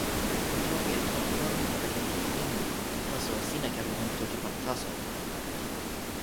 mi toki e toki pona kepeken toki Inli, taso sina kepeken toki pona taso.